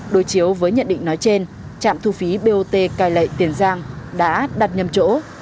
đối chiếu với nhận định nói trên trạm thu phí bot cai lệ tiền giang đã đặt nhầm chỗ